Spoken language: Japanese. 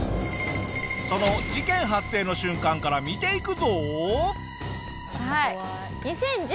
その事件発生の瞬間から見ていくぞ！